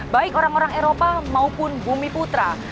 baik orang orang eropa maupun bumi putra